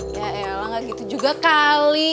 ya emang gak gitu juga kali